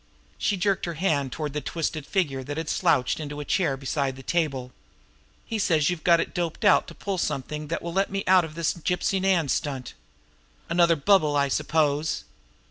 She jerked her hand toward the twisted figure that had slouched into a chair beside the table. "He says you've got it doped out to pull something that will let me out of this Gypsy Nan stunt. Another bubble, I suppose!"